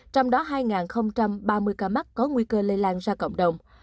trong đó hai ba mươi ca mắc có nguy cơ lây lan ra cộng đồng